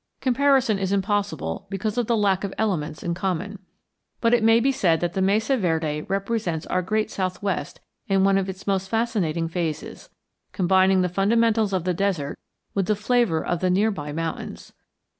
Comparison is impossible because of the lack of elements in common, but it may be said that the Mesa Verde represents our great southwest in one of its most fascinating phases, combining the fundamentals of the desert with the flavor of the near by mountains.